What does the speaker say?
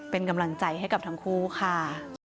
เป็นกำลังใจให้กับทั้งคู่ค่ะ